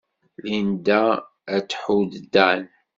Linda ad tḥudd Dan.